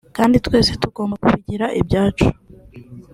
kandi twese tugomba kubigira ibyacu